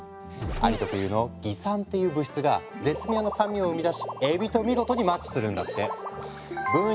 アリ特有の「蟻酸」っていう物質が絶妙な酸味を生み出しエビと見事にマッチするんだって。